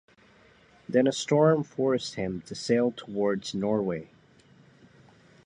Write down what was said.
Then a storm forced him to sail towards Norway.